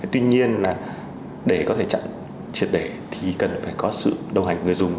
tuy nhiên là để có thể chặn triệt để thì cần phải có sự đồng hành người dùng